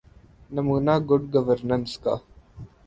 نمونہ good governance کا۔